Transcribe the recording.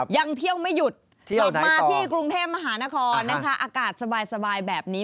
ยังเที่ยวไม่หยุดกลับมาที่กรุงเทพมหานครนะคะอากาศสบายแบบนี้